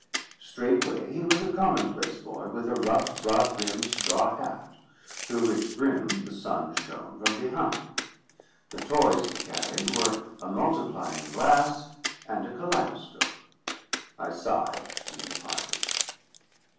Straightway he was a commonplace boy, with a rough broad brimmed straw hat, through which brim the sun shone from behind. The toys he carried were a multiplying glass and a kaleidoscope. I sighed and departed.